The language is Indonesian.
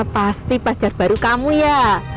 pasti pelajar baru kamu ya